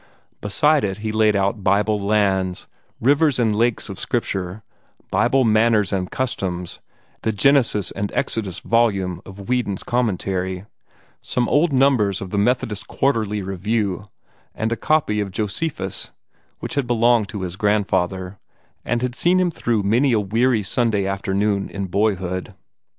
Beside it he laid out "Bible Lands," "Rivers and Lakes of Scripture," "Bible Manners and Customs," the "Genesis and Exodus" volume of Whedon's Commentary, some old numbers of the "Methodist Quarterly Review," and a copy of "Josephus" which had belonged to his grandmother, and had seen him through many a weary Sunday afternoon in boyhood.